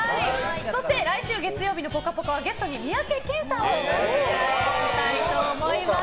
そして来週月曜日の「ぽかぽか」はゲストに三宅健さんをお迎えしたいと思います。